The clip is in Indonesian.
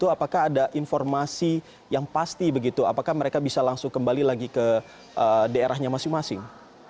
apakah ada informasi yang pasti begitu apakah mereka bisa langsung kembali lagi ke daerahnya masing masing